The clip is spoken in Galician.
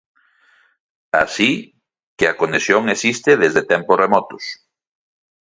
Así que a conexión existe desde tempos remotos.